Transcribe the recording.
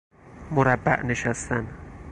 مربع نشستن